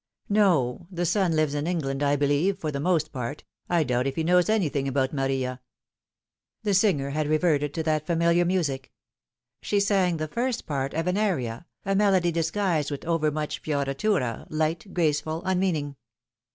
" No ; the son lives in England, I believe, for the most part, I doubt if he knows anything about Maria." A Wrecked Life. 253 The singer had reverted to that familiar music. She sang the first part of an aria, a melody disguised with over much fioritura, light, graceful, unmeaning.